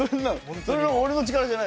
それは俺の力じゃない。